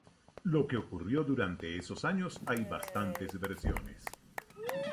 Lo que ocurrió durante esos años hay bastantes versiones.